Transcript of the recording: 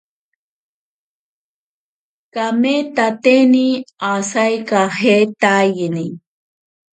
Kameetatene asaikajeetaiyene.